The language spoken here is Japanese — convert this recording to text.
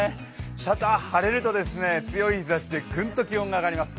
ただ晴れると強い日ざしでぐんと気温が上がります。